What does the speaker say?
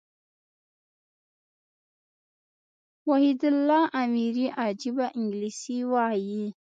وحيدالله اميري عجبه انګلېسي وايي.